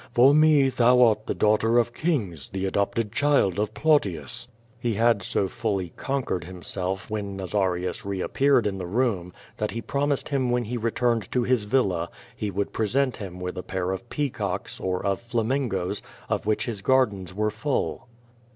For me thou art the daughter of kings, the adopted child of Plautius." He had so fully con quered himself when Nazarius reappeared in the room that he promised him when he returned to his villa, he would pre sent him with a pair of peacocks, or of flamingoes, of which his gardens were full.